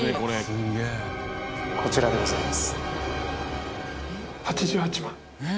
こちらでございます。